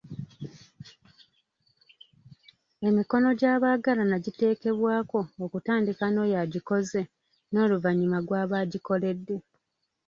Emikono gy'abalagaana giteekebwako okutandika n'oyo agikoze n'oluvannyuma gw'aba agikoledde.